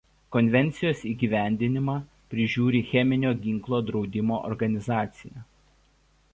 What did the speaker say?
Konvencijos įgyvendinimą prižiūri Cheminio ginklo draudimo organizacija.